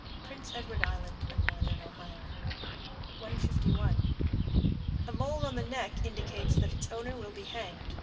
Prince Edward Island and Northern Ohio. 151. A mole on the neck indicates that its owner will be hanged.